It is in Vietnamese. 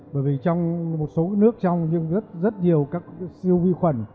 bởi vì trong một số nước trong nhưng rất nhiều các siêu vi khuẩn